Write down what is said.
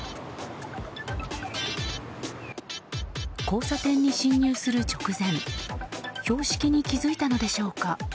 交差点に進入する直前標識に気づいたのでしょうか。